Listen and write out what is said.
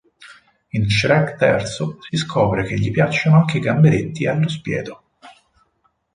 In "Shrek terzo" si scopre che gli piacciono anche i gamberetti allo spiedo.